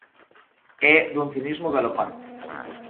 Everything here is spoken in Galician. É dun cinismo galopante.